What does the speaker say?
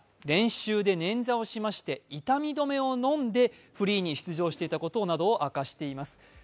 練習で捻挫をしまして痛み止めを飲んでフリーに出場していたことなどを明かしています。